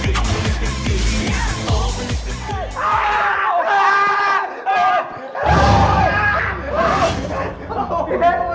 บอกแล้วไงให้กลับ